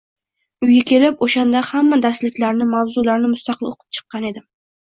Uyga kelib, o‘shanda hamma darsliklarni mavzularini mustaqil o‘qib chiqqan edim.